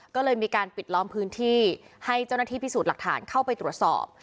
ก็เลยมีการปิดล้อมพื้นที่ให้เจ้าหน้าที่พิสูจน์หลักฐานเข้าไปตรวจสอบ